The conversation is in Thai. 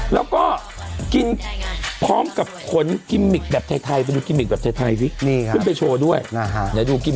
แล้วก็กินพร้อมกับผลกิมมิกแบบไทยไทยไปดูกิมมิกแบบไทยไทยสิ